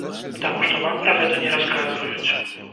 Таму што нам пра гэта не расказваюць.